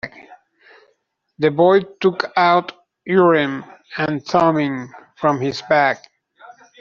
The boy took out Urim and Thummim from his bag.